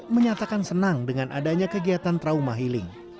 menyatakan senang dengan adanya kegiatan trauma healing